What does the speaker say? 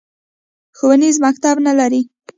ښوونیز مکتب نه لري